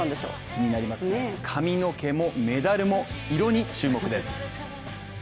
気になりますね、髪の毛もメダルも色に注目です。